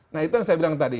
nah itu yang saya bilang tadi